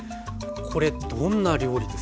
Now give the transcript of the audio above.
これどんな料理ですか？